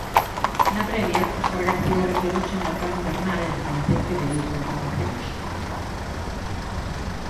Na previa, Óscar García referiuse ao mercado invernal, e recoñeceu que pediu contratacións.